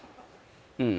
うん